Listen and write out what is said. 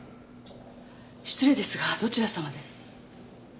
失礼ですがどちら様で？